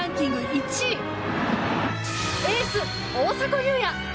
１位エース、大迫勇也。